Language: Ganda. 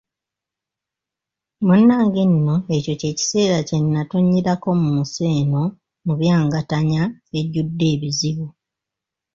Munnange nno ekyo kye kiseera kye nnatonnyerako mu nsi eno mubyangatanya, ejjudde ebizibu.